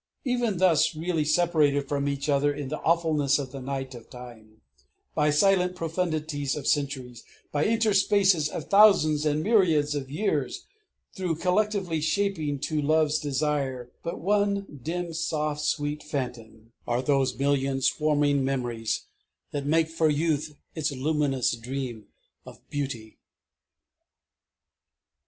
Even thus really separated each from each in the awfulness of the Night of Time, by silent profundities of centuries, by interspaces of thousands and of myriads of years, though collectively shaping to love's desire but one dim soft sweet phantom, are those million swarming memories that make for youth its luminous dream of beauty.